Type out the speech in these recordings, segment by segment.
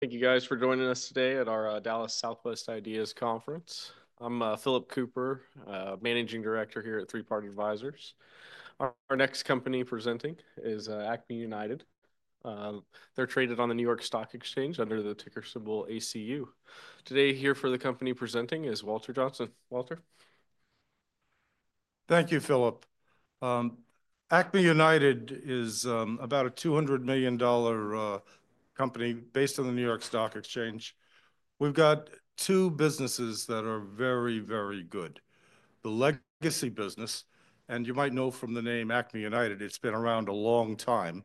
Thank you, guys, for joining us today at our Dallas Southwest Ideas Conference. I'm Philip Cooper, Managing Director here at Three Part Advisors. Our next company presenting is Acme United. They're traded on the New York Stock Exchange under the ticker symbol ACU. Today, here for the company presenting is Walter Johnsen. Walter? Thank you, Philip. Acme United is about a $200 million company based on the New York Stock Exchange. We've got two businesses that are very, very good: the legacy business, and you might know from the name Acme United. It's been around a long time.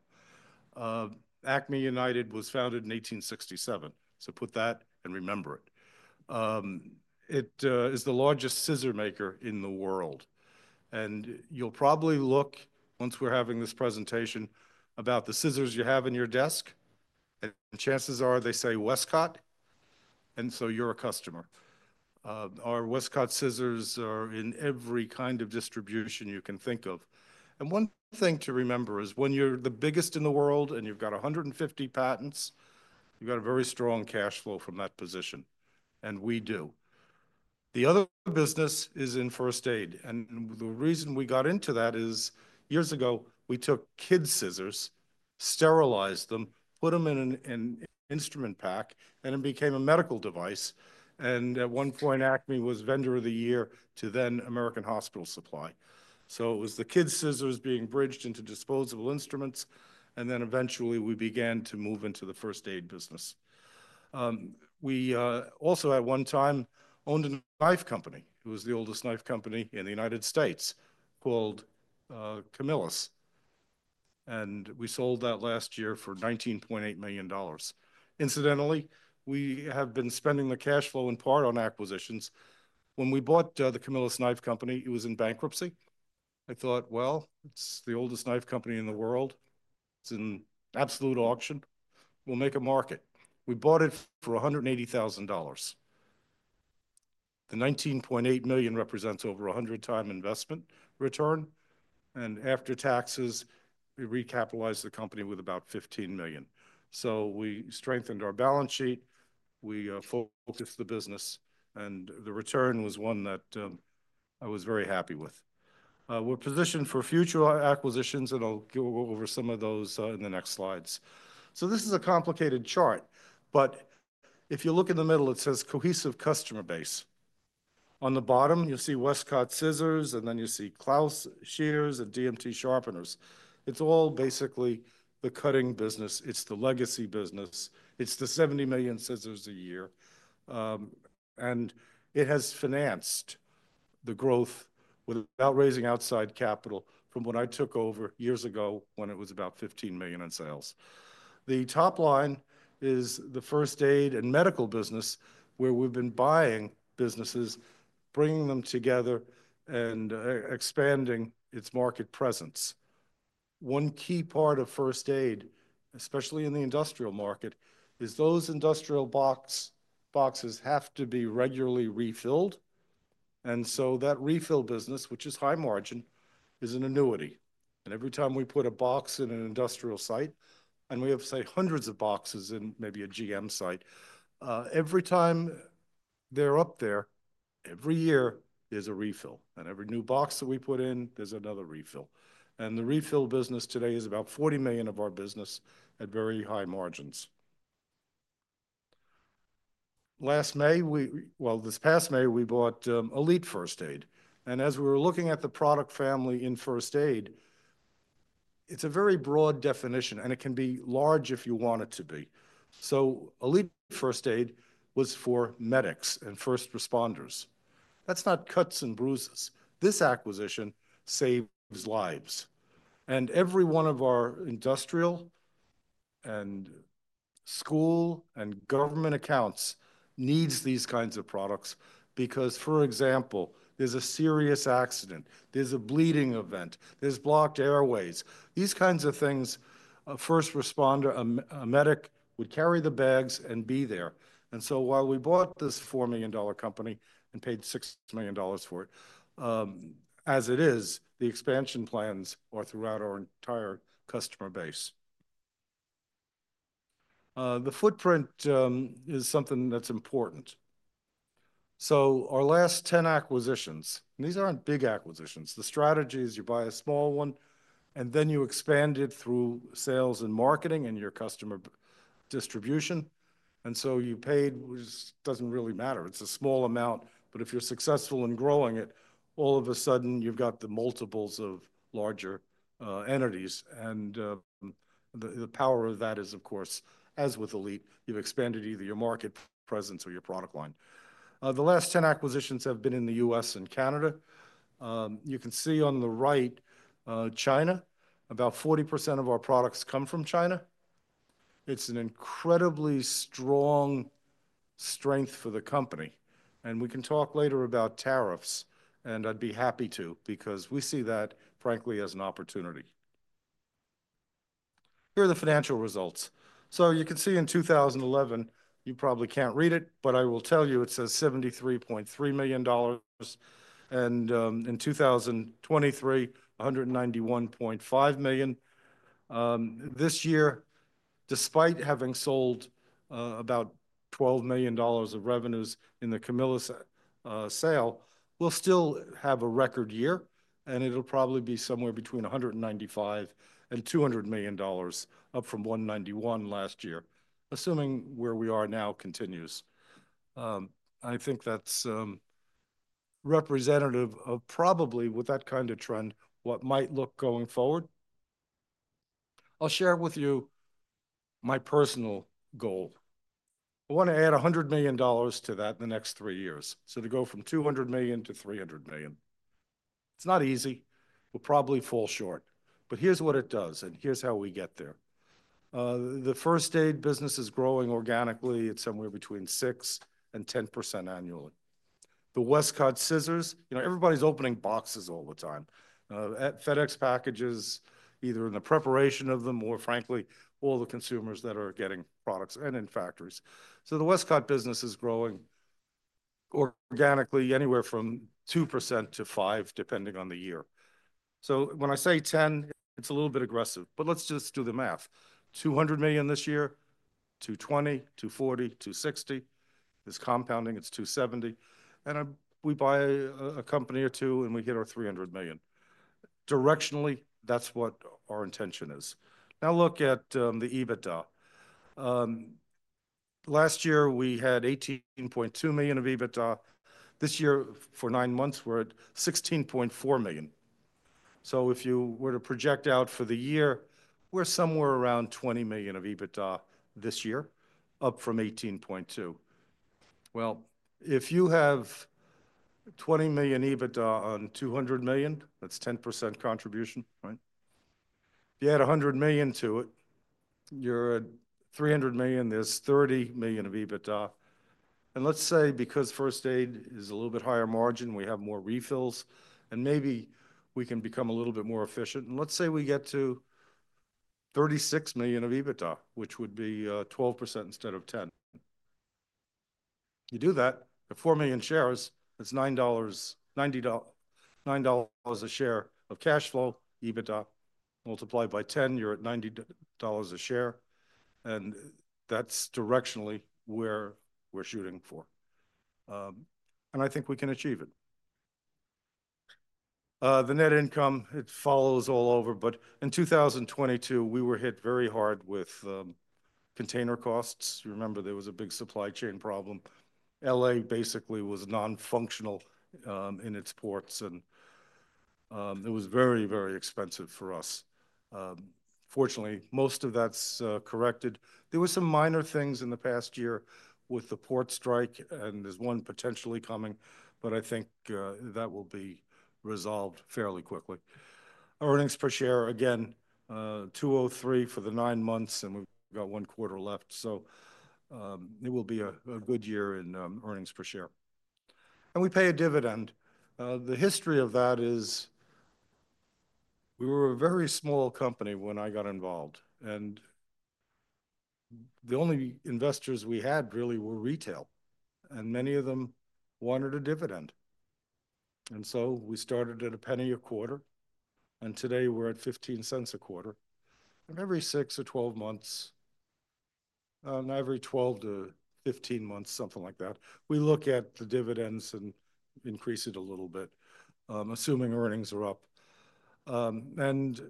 Acme United was founded in 1867, so put that and remember it. It is the largest scissor maker in the world. And you'll probably look, once we're having this presentation, about the scissors you have in your desk, and chances are they say Westcott, and so you're a customer. Our Westcott scissors are in every kind of distribution you can think of. And one thing to remember is when you're the biggest in the world and you've got 150 patents, you've got a very strong cash flow from that position, and we do. The other business is in first aid. And the reason we got into that is years ago, we took kid scissors, sterilized them, put them in an instrument pack, and it became a medical device. And at one point, Acme was Vendor of the Year to then American Hospital Supply. So it was the kid scissors being bridged into disposable instruments, and then eventually we began to move into the first aid business. We also, at one time, owned a knife company. It was the oldest knife company in the United States called Camillus. And we sold that last year for $19.8 million. Incidentally, we have been spending the cash flow in part on acquisitions. When we bought the Camillus knife company, it was in bankruptcy. I thought, well, it's the oldest knife company in the world. It's in absolute auction. We'll make a market. We bought it for $180,000. The $19.8 million represents over a hundred-time investment return. And after taxes, we recapitalized the company with about $15 million. So we strengthened our balance sheet. We focused the business, and the return was one that I was very happy with. We're positioned for future acquisitions, and I'll go over some of those in the next slides. So this is a complicated chart, but if you look in the middle, it says cohesive customer base. On the bottom, you'll see Westcott scissors, and then you see Clauss shears and DMT sharpeners. It's all basically the cutting business. It's the legacy business. It's the $70 million scissors a year. And it has financed the growth without raising outside capital from when I took over years ago when it was about $15 million in sales. The top line is the first aid and medical business, where we've been buying businesses, bringing them together and expanding its market presence. One key part of first aid, especially in the industrial market, is those industrial boxes have to be regularly refilled. And so that refill business, which is high margin, is an annuity. And every time we put a box in an industrial site, and we have, say, hundreds of boxes in maybe a GM site, every time they're up there, every year there's a refill. And every new box that we put in, there's another refill. And the refill business today is about $40 million of our business at very high margins. Last May, well, this past May, we bought Elite First Aid. And as we were looking at the product family in first aid, it's a very broad definition, and it can be large if you want it to be. So Elite First Aid was for medics and first responders. That's not cuts and bruises. This acquisition saves lives. And every one of our industrial and school and government accounts needs these kinds of products because, for example, there's a serious accident, there's a bleeding event, there's blocked airways. These kinds of things, a first responder, a medic would carry the bags and be there. And so while we bought this $4 million company and paid $6 million for it, as it is, the expansion plans are throughout our entire customer base. The footprint is something that's important. So our last 10 acquisitions, and these aren't big acquisitions. The strategy is you buy a small one, and then you expand it through sales and marketing and your customer distribution. And so you paid, which doesn't really matter. It's a small amount, but if you're successful in growing it, all of a sudden you've got the multiples of larger entities. And the power of that is, of course, as with Elite, you've expanded either your market presence or your product line. The last 10 acquisitions have been in the U.S. and Canada. You can see on the right, China. About 40% of our products come from China. It's an incredibly strong strength for the company. And we can talk later about tariffs, and I'd be happy to because we see that, frankly, as an opportunity. Here are the financial results. So you can see in 2011, you probably can't read it, but I will tell you it says $73.3 million, and in 2023, $191.5 million. This year, despite having sold about $12 million of revenues in the Camillus sale, we'll still have a record year, and it'll probably be somewhere between $195-$200 million, up from $191 last year, assuming where we are now continues. I think that's representative of probably, with that kind of trend, what might look going forward. I'll share with you my personal goal. I want to add $100 million to that in the next three years, so to go from $200 million to $300 million. It's not easy. We'll probably fall short. But here's what it does, and here's how we get there. The first aid business is growing organically. It's somewhere between 6%-10% annually. The Westcott scissors, you know, everybody's opening boxes all the time. FedEx packages, either in the preparation of them or, frankly, all the consumers that are getting products and in factories. So the Westcott business is growing organically anywhere from 2%-5%, depending on the year. So when I say 10, it's a little bit aggressive, but let's just do the math. $200 million this year, $220, $240, $260. It's compounding. It's $270. And we buy a company or two, and we hit our $300 million. Directionally, that's what our intention is. Now look at the EBITDA. Last year, we had $18.2 million of EBITDA. This year, for nine months, we're at $16.4 million. So if you were to project out for the year, we're somewhere around $20 million of EBITDA this year, up from $18.2 million. If you have $20 million EBITDA on $200 million, that's 10% contribution, right? If you add $100 million to it, you're at $300 million. There's $30 million of EBITDA. And let's say, because first aid is a little bit higher margin, we have more refills, and maybe we can become a little bit more efficient. And let's say we get to $36 million of EBITDA, which would be 12% instead of 10%. You do that, you have $4 million shares, that's $9 a share of cash flow, EBITDA, multiplied by 10, you're at $90 a share. And that's directionally where we're shooting for. And I think we can achieve it. The net income, it follows all over, but in 2022, we were hit very hard with container costs. Remember, there was a big supply chain problem. LA basically was nonfunctional in its ports, and it was very, very expensive for us. Fortunately, most of that's corrected. There were some minor things in the past year with the port strike, and there's one potentially coming, but I think that will be resolved fairly quickly. Earnings per share, again, $203 for the nine months, and we've got one quarter left. So it will be a good year in earnings per share, and we pay a dividend. The history of that is we were a very small company when I got involved, and the only investors we had really were retail, and many of them wanted a dividend. And so we started at $0.01 a quarter, and today we're at $0.15 a quarter. And every six to 12 months, every 12 to 15 months, something like that, we look at the dividends and increase it a little bit, assuming earnings are up. And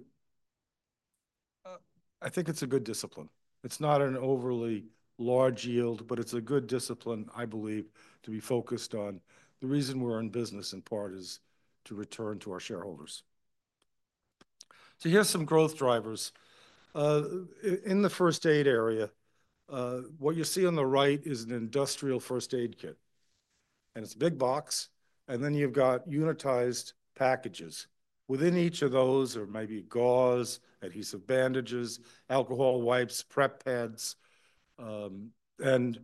I think it's a good discipline. It's not an overly large yield, but it's a good discipline, I believe, to be focused on. The reason we're in business in part is to return to our shareholders. So here's some growth drivers. In the first aid area, what you see on the right is an industrial first aid kit. And it's a big box. And then you've got unitized packages. Within each of those are maybe gauze, adhesive bandages, alcohol wipes, prep pads. And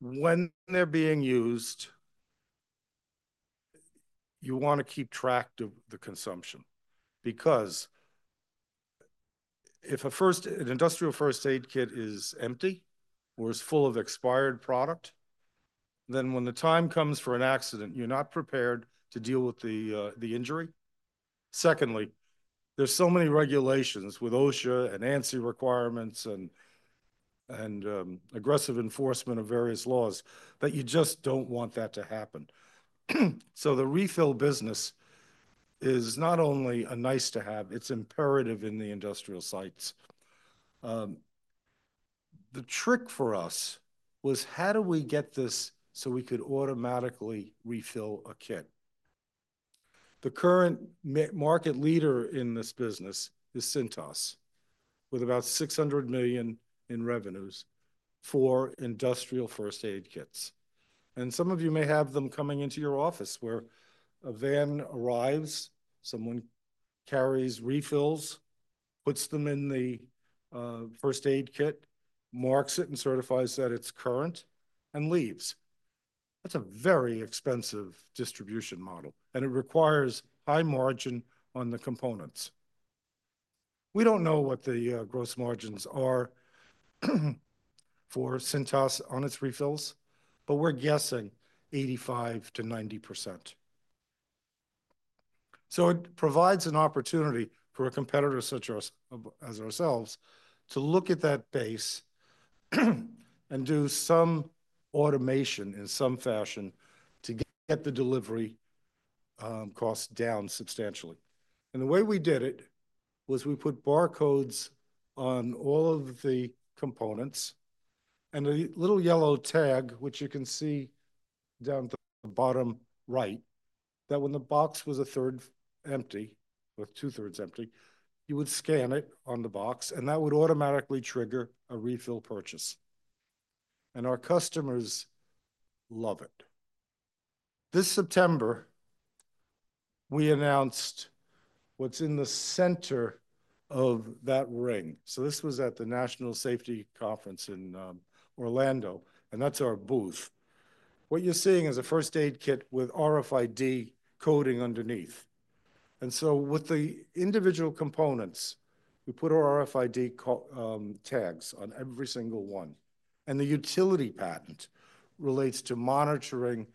when they're being used, you want to keep track of the consumption. Because if an industrial first aid kit is empty or is full of expired product, then when the time comes for an accident, you're not prepared to deal with the injury. Secondly, there's so many regulations with OSHA and ANSI requirements and aggressive enforcement of various laws that you just don't want that to happen. So the refill business is not only a nice to have, it's imperative in the industrial sites. The trick for us was how do we get this so we could automatically refill a kit? The current market leader in this business is Cintas, with about $600 million in revenues for industrial first aid kits. And some of you may have them coming into your office where a van arrives, someone carries refills, puts them in the first aid kit, marks it and certifies that it's current and leaves. That's a very expensive distribution model, and it requires high margin on the components. We don't know what the gross margins are for Cintas on its refills, but we're guessing 85%-90%. So it provides an opportunity for a competitor such as ourselves to look at that base and do some automation in some fashion to get the delivery costs down substantially. And the way we did it was we put barcodes on all of the components. And a little yellow tag, which you can see down at the bottom right, that when the box was a third empty, or two-thirds empty, you would scan it on the box, and that would automatically trigger a refill purchase. And our customers love it. This September, we announced what's in the center of that ring. So this was at the National Safety Conference in Orlando, and that's our booth. What you're seeing is a first aid kit with RFID coding underneath, and so with the individual components, we put RFID tags on every single one, and the utility patent relates to monitoring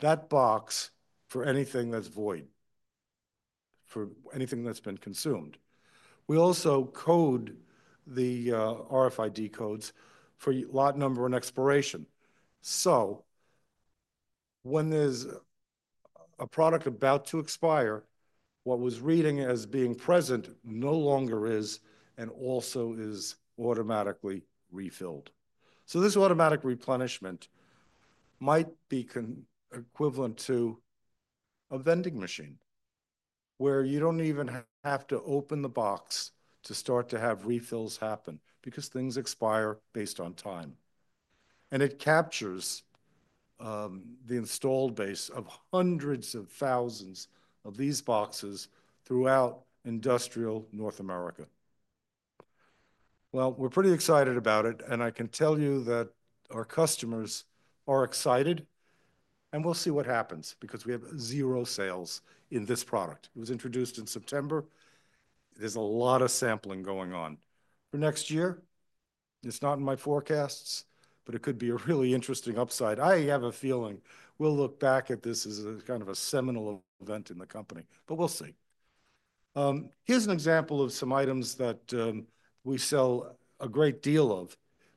that box for anything that's void, for anything that's been consumed. We also code the RFID codes for lot number and expiration, so when there's a product about to expire, what was reading as being present no longer is and also is automatically refilled, so this automatic replenishment might be equivalent to a vending machine where you don't even have to open the box to start to have refills happen because things expire based on time, and it captures the installed base of hundreds of thousands of these boxes throughout industrial North America. We're pretty excited about it, and I can tell you that our customers are excited, and we'll see what happens because we have zero sales in this product. It was introduced in September. There's a lot of sampling going on. For next year, it's not in my forecasts, but it could be a really interesting upside. I have a feeling we'll look back at this as a kind of a seminal event in the company, but we'll see. Here's an example of some items that we sell a great deal of: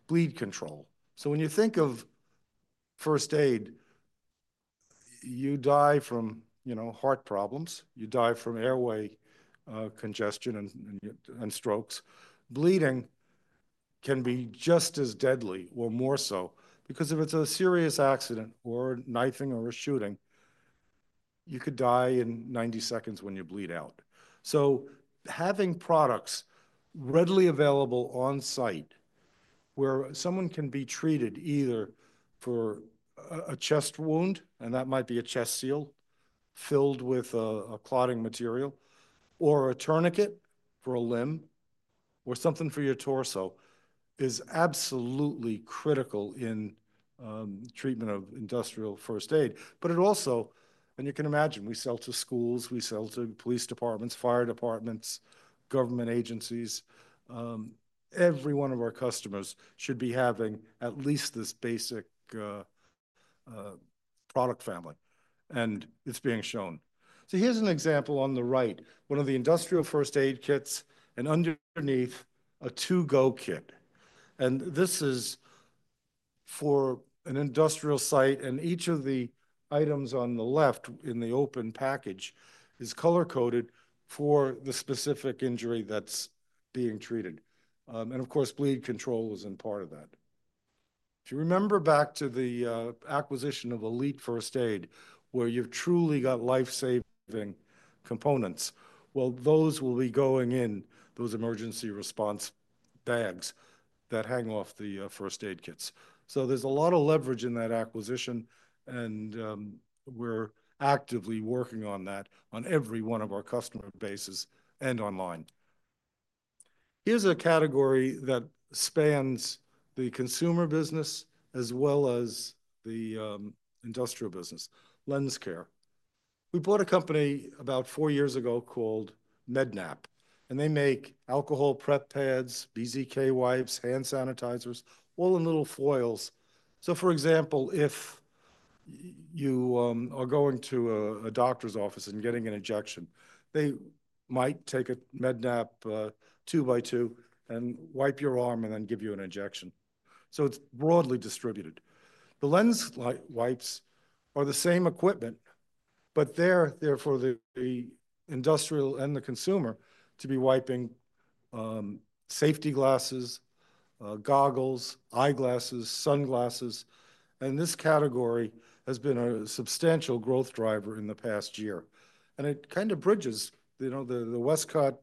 bleed control. When you think of first aid, you die from, you know, heart problems, you die from airway congestion and strokes. Bleeding can be just as deadly or more so because if it's a serious accident or a knifing or a shooting, you could die in 90 seconds when you bleed out. Having products readily available on site where someone can be treated either for a chest wound, and that might be a chest seal filled with a clotting material, or a tourniquet for a limb, or something for your torso is absolutely critical in treatment of industrial first aid. But it also, and you can imagine, we sell to schools, we sell to police departments, fire departments, government agencies. Every one of our customers should be having at least this basic product family, and it's being shown. Here's an example on the right, one of the industrial first aid kits and underneath a two-go kit. This is for an industrial site, and each of the items on the left in the open package is color-coded for the specific injury that's being treated. Of course, bleed control is in part of that. If you remember back to the acquisition of Elite First Aid, where you've truly got life-saving components, well, those will be going in those emergency response bags that hang off the first aid kits. So there's a lot of leverage in that acquisition, and we're actively working on that on every one of our customer bases and online. Here's a category that spans the consumer business as well as the industrial business: lens care. We bought a company about four years ago called Med-Nap, and they make alcohol prep pads, BZK wipes, hand sanitizers, all in little foils. So for example, if you are going to a doctor's office and getting an injection, they might take a Med-Nap two-by-two and wipe your arm and then give you an injection. So it's broadly distributed. The lens wipes are the same equipment, but they're there for the industrial and the consumer to be wiping safety glasses, goggles, eyeglasses, sunglasses. And this category has been a substantial growth driver in the past year. And it kind of bridges, you know, the Westcott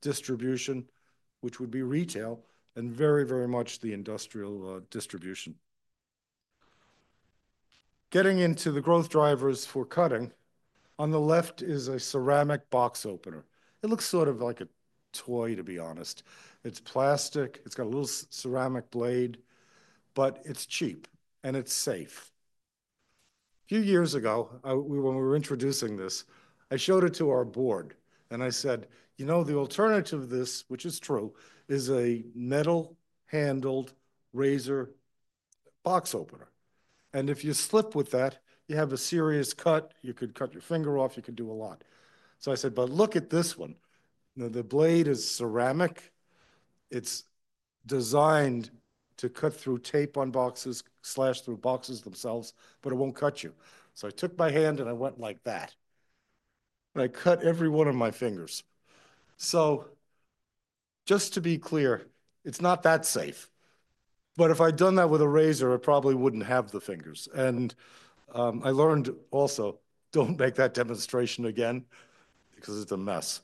distribution, which would be retail, and very, very much the industrial distribution. Getting into the growth drivers for cutting, on the left is a ceramic box opener. It looks sort of like a toy, to be honest. It's plastic. It's got a little ceramic blade, but it's cheap and it's safe. A few years ago, when we were introducing this, I showed it to our board and I said, you know, the alternative to this, which is true, is a metal-handled razor box opener. And if you slip with that, you have a serious cut. You could cut your finger off. You could do a lot, so I said, but look at this one. The blade is ceramic. It's designed to cut through tape on boxes, slash through boxes themselves, but it won't cut you, so I took my hand and I went like that, and I cut every one of my fingers, so just to be clear, it's not that safe, but if I'd done that with a razor, I probably wouldn't have the fingers, and I learned also, don't make that demonstration again because it's a mess.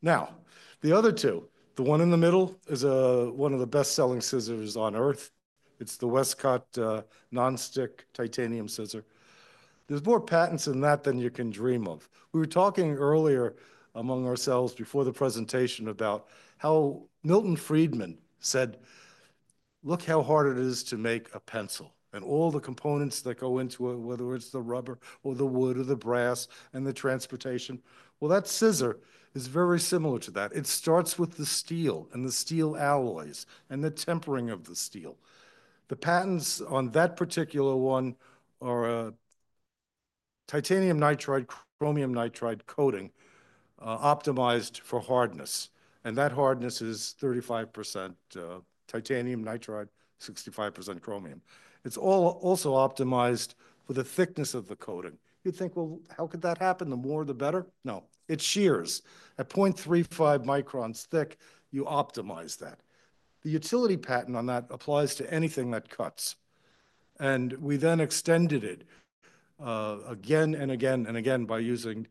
Now, the other two, the one in the middle is one of the best-selling scissors on earth. It's the Westcott non-stick titanium scissor. There's more patents than that than you can dream of. We were talking earlier among ourselves before the presentation about how Milton Friedman said, look how hard it is to make a pencil and all the components that go into it, whether it's the rubber or the wood or the brass and the transportation. Well, that scissor is very similar to that. It starts with the steel and the steel alloys and the tempering of the steel. The patents on that particular one are titanium nitride, chromium nitride coating optimized for hardness. And that hardness is 35% titanium nitride, 65% chromium. It's all also optimized for the thickness of the coating. You'd think, well, how could that happen? The more, the better? No, it shears. At 0.35 microns thick, you optimize that. The utility patent on that applies to anything that cuts. And we then extended it again and again and again by using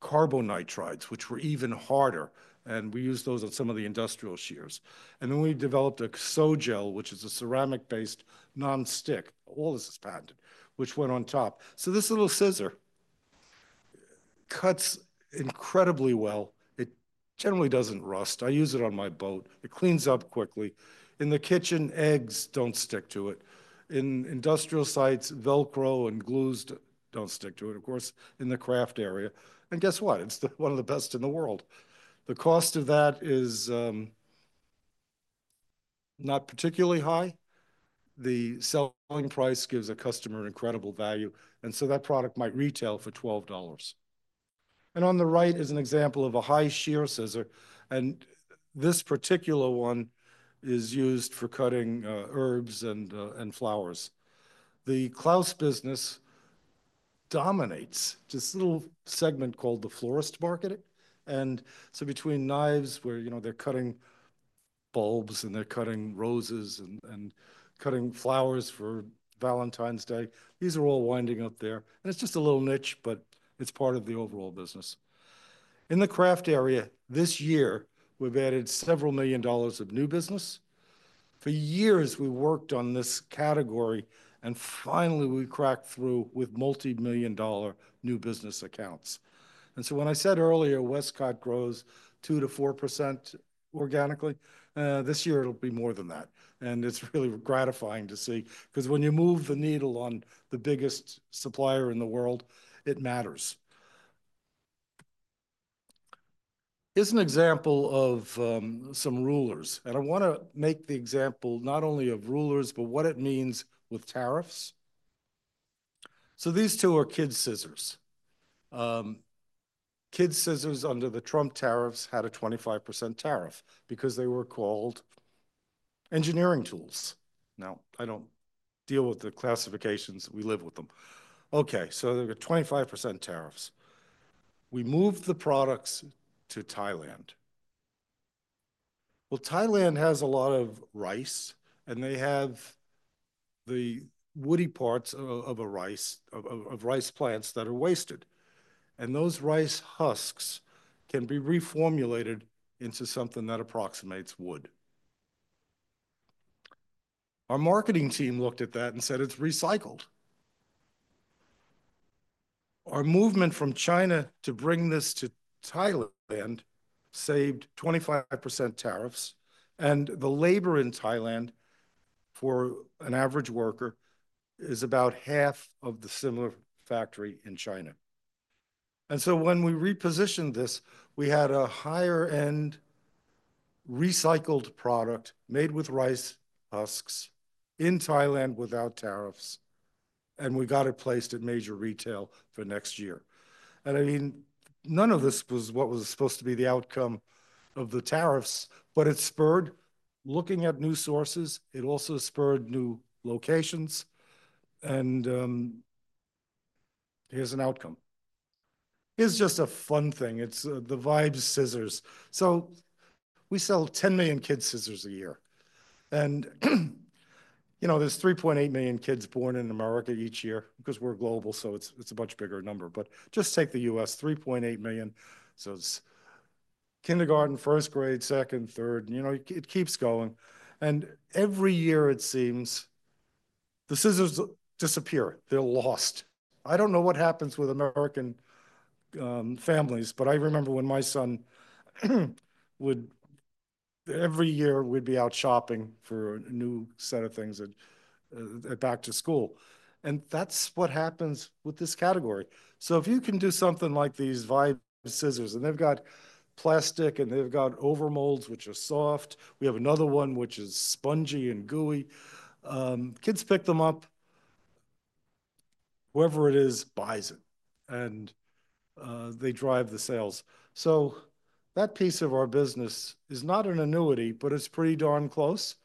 carbon nitrides, which were even harder. We used those on some of the industrial shears. Then we developed a Sol-Gel, which is a ceramic-based non-stick. All this is patented, which went on top. This little scissors cuts incredibly well. It generally doesn't rust. I use it on my boat. It cleans up quickly. In the kitchen, eggs don't stick to it. In industrial sites, Velcro and glues don't stick to it, of course, in the craft area. Guess what? It's one of the best in the world. The cost of that is not particularly high. The selling price gives a customer an incredible value. That product might retail for $12. On the right is an example of a high shear scissors. This particular one is used for cutting herbs and flowers. The Clauss business dominates this little segment called the florist market. And so between knives where, you know, they're cutting bulbs and they're cutting roses and cutting flowers for Valentine's Day, these are all winding up there. And it's just a little niche, but it's part of the overall business. In the craft area, this year, we've added several million dollars of new business. For years, we worked on this category, and finally, we cracked through with multi-million dollar new business accounts. And so when I said earlier, Westcott grows 2%-4% organically, this year, it'll be more than that. And it's really gratifying to see because when you move the needle on the biggest supplier in the world, it matters. Here's an example of some rulers. And I want to make the example not only of rulers, but what it means with tariffs. So these two are kid scissors. Kid scissors under the Trump tariffs had a 25% tariff because they were called engineering tools. Now, I don't deal with the classifications. We live with them. Okay, so they're 25% tariffs. We moved the products to Thailand. Thailand has a lot of rice, and they have the woody parts of rice plants that are wasted. Those rice husks can be reformulated into something that approximates wood. Our marketing team looked at that and said it's recycled. Our movement from China to bring this to Thailand saved 25% tariffs. The labor in Thailand for an average worker is about half of the similar factory in China. When we repositioned this, we had a higher-end recycled product made with rice husks in Thailand without tariffs. We got it placed at major retail for next year. I mean, none of this was what was supposed to be the outcome of the tariffs, but it spurred looking at new sources. It also spurred new locations, and here's an outcome. Here's just a fun thing. It's the Vibe scissors. So we sell 10 million kid scissors a year, and you know, there's 3.8 million kids born in America each year because we're global, so it's a much bigger number. But just take the U.S., 3.8 million. So it's kindergarten, first grade, second, third, you know, it keeps going, and every year, it seems, the scissors disappear. They're lost. I don't know what happens with American families, but I remember when my son would, every year, we'd be out shopping for a new set of things at back to school, and that's what happens with this category. So if you can do something like these Vibe scissors, and they've got plastic and they've got overmolds, which are soft. We have another one, which is spongy and gooey. Kids pick them up. Whoever it is buys it, and they drive the sales. So that piece of our business is not an annuity, but it's pretty darn close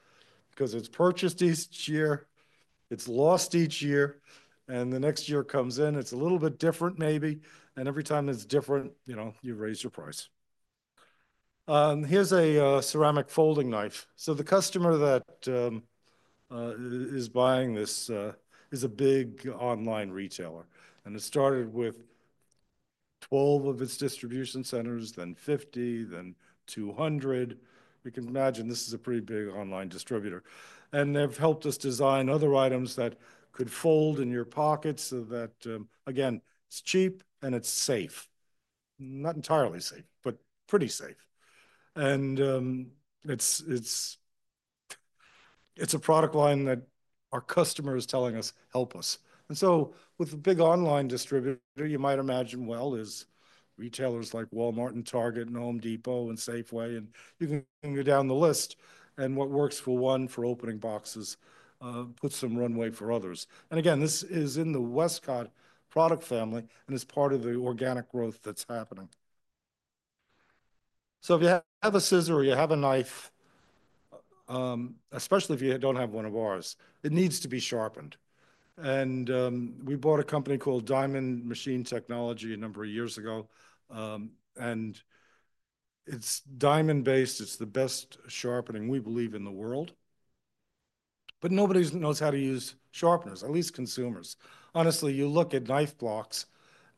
because it's purchased each year. It's lost each year. And the next year comes in, it's a little bit different maybe. And every time it's different, you know, you raise your price. Here's a ceramic folding knife. So the customer that is buying this is a big online retailer. And it started with 12 of its distribution centers, then 50, then 200. You can imagine this is a pretty big online distributor. They've helped us design other items that could fold in your pockets so that, again, it's cheap and it's safe. Not entirely safe, but pretty safe. It's a product line that our customer is telling us, help us. So with a big online distributor, you might imagine, well, there's retailers like Walmart and Target and Home Depot and Safeway, and you can go down the list. What works for one for opening boxes puts some runway for others. Again, this is in the Westcott product family and is part of the organic growth that's happening. If you have a scissor or you have a knife, especially if you don't have one of ours, it needs to be sharpened. We bought a company called Diamond Machine Technology a number of years ago. It's diamond-based. It's the best sharpening, we believe, in the world. But nobody knows how to use sharpeners, at least consumers. Honestly, you look at knife blocks,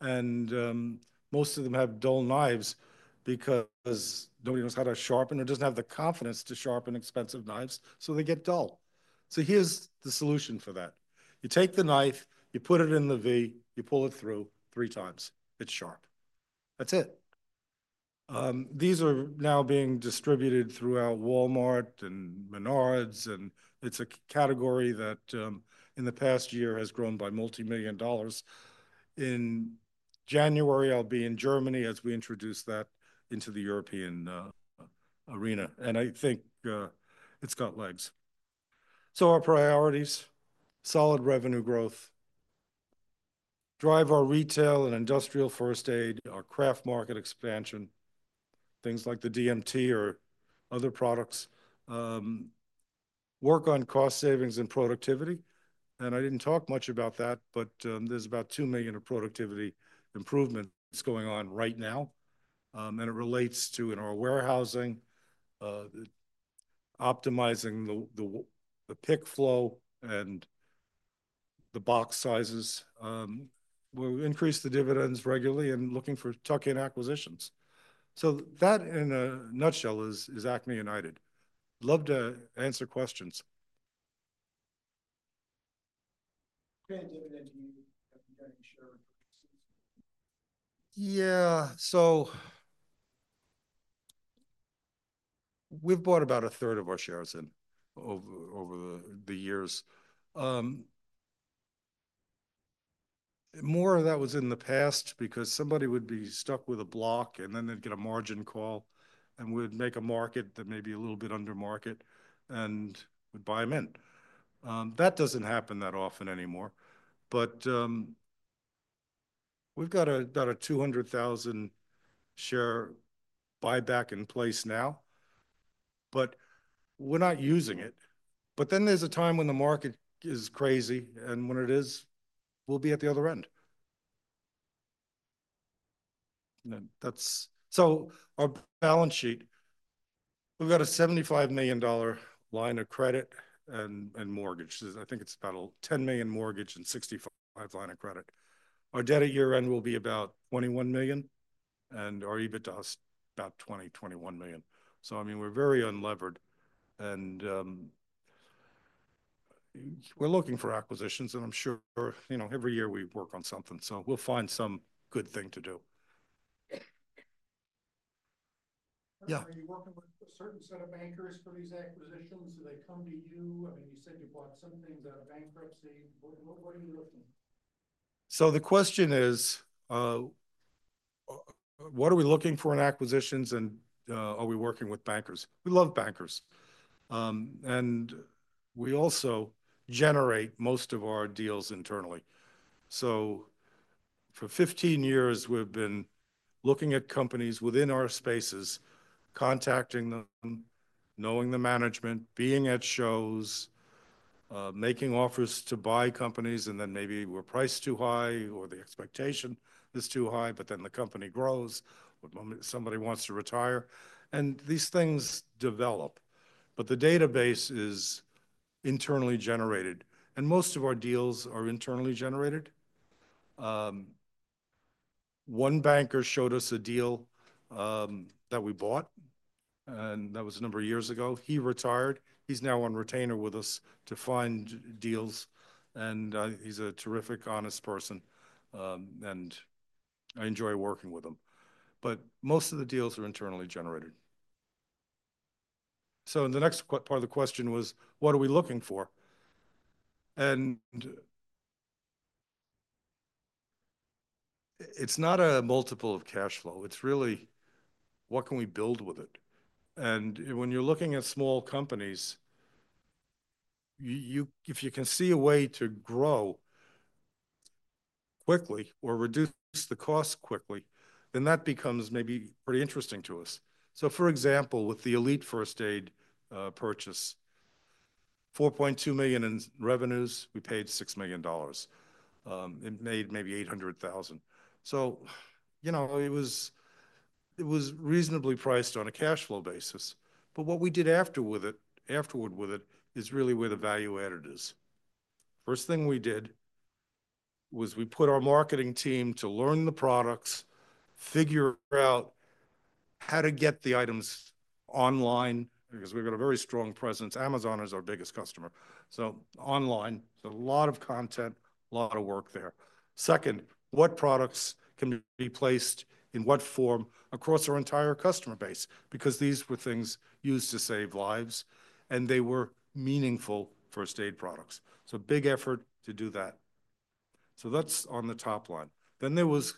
and most of them have dull knives because nobody knows how to sharpen or doesn't have the confidence to sharpen expensive knives, so they get dull. So here's the solution for that. You take the knife, you put it in the V, you pull it through three times. It's sharp. That's it. These are now being distributed throughout Walmart and Menards, and it's a category that in the past year has grown by multi-million dollars. In January, I'll be in Germany as we introduce that into the European arena. And I think it's got legs. So our priorities, solid revenue growth, drive our retail and industrial first aid, our craft market expansion, things like the DMT or other products, work on cost savings and productivity. I didn't talk much about that, but there's about 2 million of productivity improvements going on right now. It relates to in our warehousing, optimizing the pick flow and the box sizes. We'll increase the dividends regularly and looking for tuck-in acquisitions. So that in a nutshell is Acme United. Love to answer questions. Yeah, so we've bought about a third of our shares in over the years. More of that was in the past because somebody would be stuck with a block and then they'd get a margin call and we'd make a market that may be a little bit under market and would buy them in. That doesn't happen that often anymore. But we've got about a 200,000 share buyback in place now, but we're not using it. But then there's a time when the market is crazy, and when it is, we'll be at the other end. So our balance sheet, we've got a $75 million line of credit and mortgage. I think it's about a $10 million mortgage and $65 million line of credit. Our debt at year end will be about $21 million, and our EBITDA is about $20-$21 million. So I mean, we're very unlevered. And we're looking for acquisitions, and I'm sure, you know, every year we work on something. So we'll find some good thing to do. Yeah. Are you working with a certain set of bankers for these acquisitions? Do they come to you? I mean, you said you bought some things out of bankruptcy. What are you looking for? So the question is, what are we looking for in acquisitions and are we working with bankers? We love bankers. We also generate most of our deals internally. So for 15 years, we've been looking at companies within our spaces, contacting them, knowing the management, being at shows, making offers to buy companies, and then maybe we're priced too high or the expectation is too high, but then the company grows or somebody wants to retire. These things develop. The database is internally generated, and most of our deals are internally generated. One banker showed us a deal that we bought, and that was a number of years ago. He retired. He's now on retainer with us to find deals, and he's a terrific, honest person, and I enjoy working with him. Most of the deals are internally generated. In the next part of the question was, what are we looking for? It's not a multiple of cash flow. It's really, what can we build with it? And when you're looking at small companies, if you can see a way to grow quickly or reduce the cost quickly, then that becomes maybe pretty interesting to us. So for example, with the Elite First Aid purchase, $4.2 million in revenues, we paid $6 million. It made maybe $800,000. So, you know, it was reasonably priced on a cash flow basis. But what we did afterward with it is really where the value added is. First thing we did was we put our marketing team to learn the products, figure out how to get the items online because we've got a very strong presence. Amazon is our biggest customer. So online, so a lot of content, a lot of work there. Second, what products can be placed in what form across our entire customer base? Because these were things used to save lives, and they were meaningful first aid products, so big effort to do that, so that's on the top line, then there was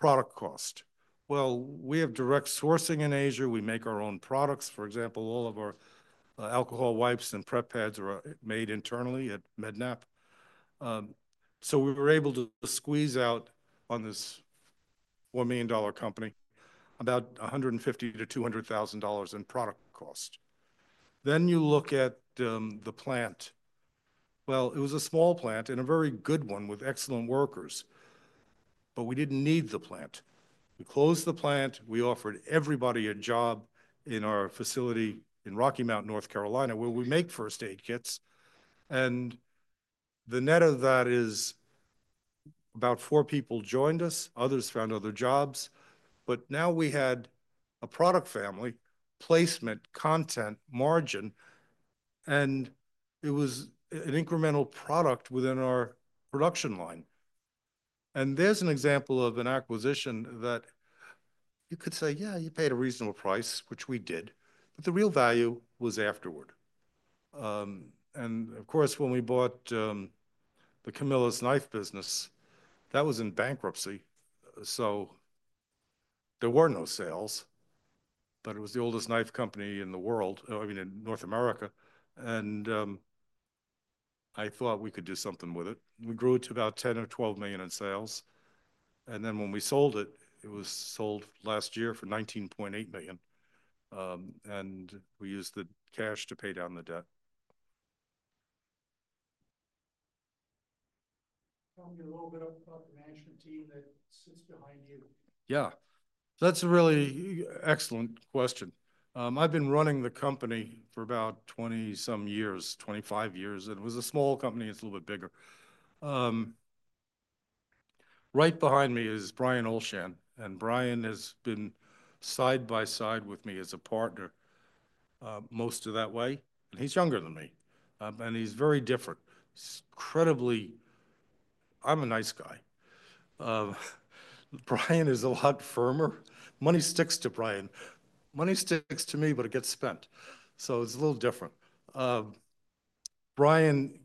product cost, well, we have direct sourcing in Asia. We make our own products. For example, all of our alcohol wipes and prep pads are made internally at Med-Nap, so we were able to squeeze out on this $1 million company about $150,000-$200,000 in product cost, then you look at the plant, well, it was a small plant and a very good one with excellent workers, but we didn't need the plant. We closed the plant. We offered everybody a job in our facility in Rocky Mount, North Carolina, where we make first aid kits, and the net of that is about four people joined us. Others found other jobs. But now we had a product family, placement, content, margin. And it was an incremental product within our production line. And there's an example of an acquisition that you could say, yeah, you paid a reasonable price, which we did. But the real value was afterward. And of course, when we bought the Camillus Knife business, that was in bankruptcy. So there were no sales, but it was the oldest knife company in the world, I mean, in North America. And I thought we could do something with it. We grew it to about $10 or $12 million in sales. And then when we sold it, it was sold last year for $19.8 million. And we used the cash to pay down the debt. Tell me a little bit about the management team that sits behind you. Yeah. That's a really excellent question. I've been running the company for about 20-some years, 25 years. It was a small company. It's a little bit bigger. Right behind me is Brian Olschan. And Brian has been side by side with me as a partner most of that way. And he's younger than me. And he's very different. He's incredibly. I'm a nice guy. Brian is a lot firmer. Money sticks to Brian. Money sticks to me, but it gets spent. So it's a little different. Brian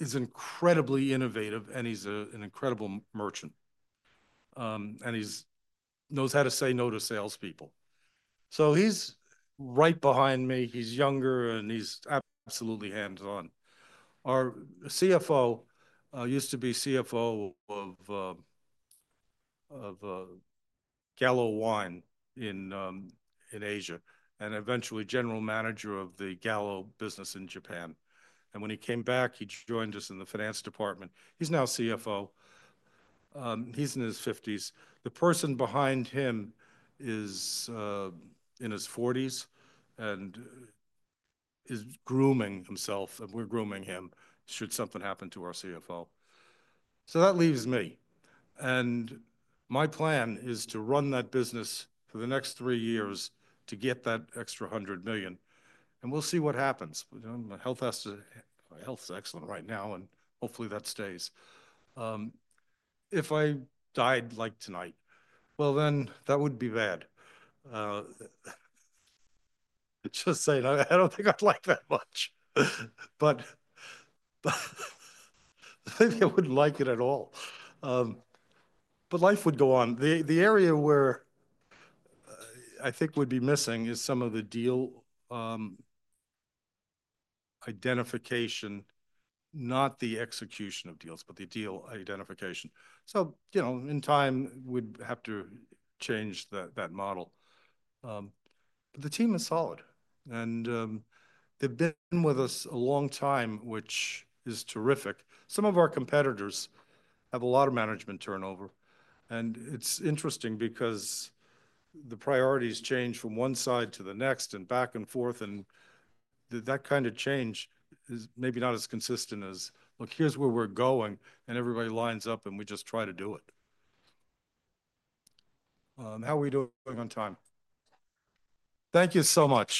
is incredibly innovative, and he's an incredible merchant. And he knows how to say no to salespeople. So he's right behind me. He's younger, and he's absolutely hands-on. Our CFO used to be CFO of Gallo Wine in Asia and eventually general manager of the Gallo business in Japan. And when he came back, he joined us in the finance department. He's now CFO. He's in his 50s. The person behind him is in his 40s and is grooming himself, and we're grooming him, should something happen to our CFO. So that leaves me. And my plan is to run that business for the next three years to get that extra $100 million. And we'll see what happens. Health is excellent right now, and hopefully that stays. If I died like tonight, well, then that would be bad. Just saying, I don't think I'd like that much. But maybe I wouldn't like it at all. But life would go on. The area where I think would be missing is some of the deal identification, not the execution of deals, but the deal identification. So, you know, in time, we'd have to change that model. But the team is solid. And they've been with us a long time, which is terrific. Some of our competitors have a lot of management turnover, and it's interesting because the priorities change from one side to the next and back and forth, and that kind of change is maybe not as consistent as, look, here's where we're going, and everybody lines up, and we just try to do it. How are we doing on time? Thank you so much.